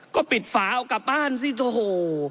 ก็ปิดฝาเอากลับบ้านสิโอ้โห